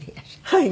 はい。